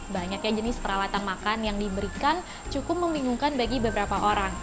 banyaknya jenis peralatan makan yang diberikan cukup membingungkan bagi beberapa orang